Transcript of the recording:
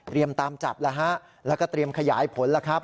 ตามจับแล้วฮะแล้วก็เตรียมขยายผลแล้วครับ